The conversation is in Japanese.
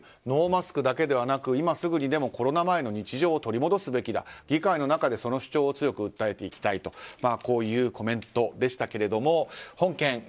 ノーマスクだけではなく今すぐにでもコロナ前の日常を取り戻すべきだ議会の中でも、その主張を強く訴えていきたいというコメントでしたが本件